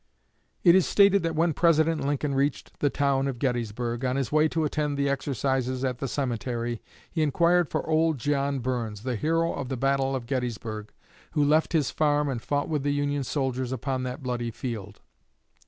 It is stated that when President Lincoln reached the town of Gettysburg, on his way to attend the exercises at the cemetery, he inquired for "Old John Burns," the hero of the battle of Gettysburg, who left his farm and fought with the Union soldiers upon that bloody field.